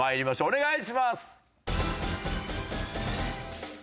お願いします。